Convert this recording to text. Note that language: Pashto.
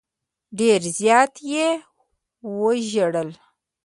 ډېر زیات یې وژړل.